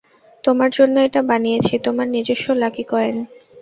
তোমার জন্য এটা বানিয়েছি, তোমার নিজস্ব লাকি কয়েন।